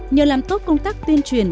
nhờ làng cốt công tác tuyên truyền